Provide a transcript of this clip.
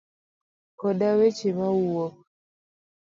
Koda weche mawuok.